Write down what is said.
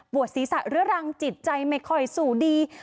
ศีรษะเรื้อรังจิตใจไม่ค่อยสู้ดี